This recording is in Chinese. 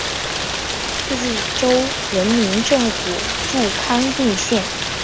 自治州人民政府驻康定县。